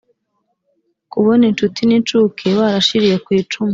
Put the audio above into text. Kubon inshuti n'incuke barashiriye kw'icumu